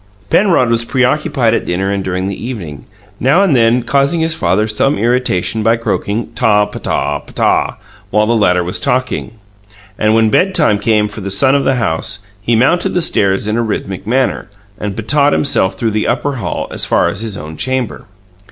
Penrod was preoccupied at dinner and during the evening, now and then causing his father some irritation by croaking, "Taw, p'taw p'taw!" while the latter was talking. And when bedtime came for the son of the house, he mounted the stairs in a rhythmic manner, and p'tawed himself through the upper hall as far as his own chamber.